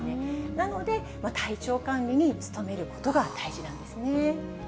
なので、体調管理に努めることが大事なんですね。